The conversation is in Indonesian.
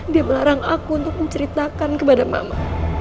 dia melarang aku untuk menceritakan kepada mama